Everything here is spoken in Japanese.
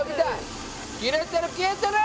切れてる切れてる！